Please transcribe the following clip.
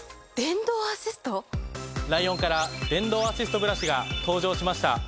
ライオンから電動アシストブラシが登場しました。